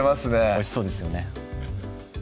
おいしそうですよね